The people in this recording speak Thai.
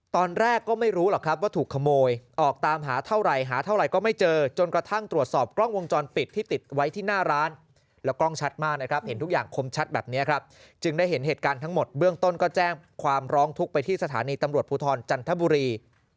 ตอนแรกก็ไม่รู้หรอกครับว่าถูกขโมยออกตามหาเท่าไหร่หาเท่าไหร่ก็ไม่เจอจนกระทั่งตรวจสอบกล้องวงจรปิดที่ติดไว้ที่หน้าร้านแล้วกล้องชัดมากนะครับเห็นทุกอย่างคมชัดแบบนี้ครับจึงได้เห็นเหตุการณ์ทั้งหมดเบื้องต้นก็แจ้งความร้องทุกข์ไปที่สถานีตำรวจภูทรจันทบุรี